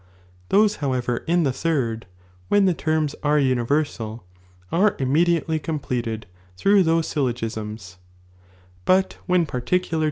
Those, however, in the J third, when the terms tire universal, are immediately completed m throogh those syllogismfl;"' but when particular